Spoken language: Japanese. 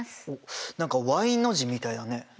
何かＹの字みたいだね。